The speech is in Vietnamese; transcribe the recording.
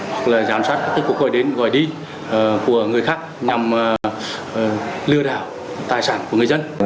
hoặc là giám sát các cuộc gọi đến gọi đi của người khác nhằm lừa đảo tài sản của người dân